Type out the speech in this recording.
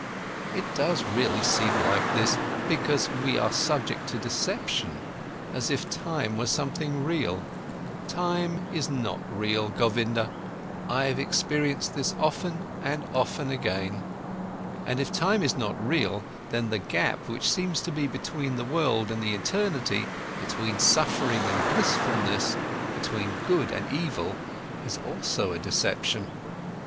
It does really seem like this, because we are subject to deception, as if time was something real. Time is not real, Govinda, I have experienced this often and often again. And if time is not real, then the gap which seems to be between the world and the eternity, between suffering and blissfulness, between evil and good, is also a deception."